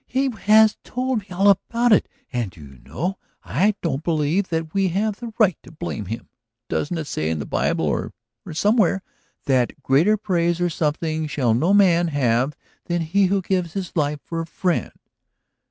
"He has told me all about it, and do you know, I don't believe that we have the right to blame him? Doesn't it say in the Bible or ... or somewhere, that greater praise or something shall no man have than he who gives his life for a friend?